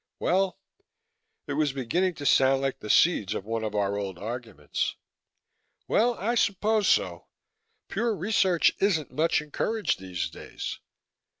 "Well " it was beginning to sound like the seeds of one of our old arguments "well, I suppose so. Pure research isn't much encouraged, these days."